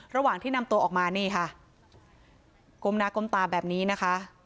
ระหว่างที่นำตัวออกมานี่ค่ะก้มหน้าก้มตาแบบนี้นะคะ